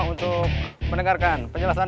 untuk mendengarkan penjelasan